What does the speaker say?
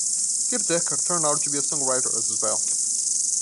Piet Dekker turned out to be a songwriter as well.